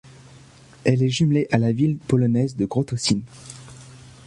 Elle est jumellée à la ville polonaise de Krotoszyn.